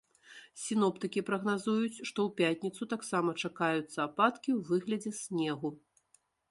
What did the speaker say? Сіноптыкі прагназуюць, што ў пятніцу таксама чакаюцца ападкі ў выглядзе снегу.